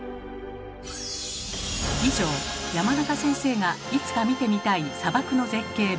以上山中先生がいつか見てみたい砂漠の絶景